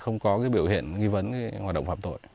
nghi vấn hoạt động phạm tội